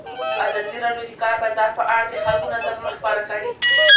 ازادي راډیو د د کار بازار په اړه د خلکو نظرونه خپاره کړي.